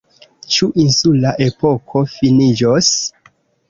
Ĉu insula epoko finiĝos?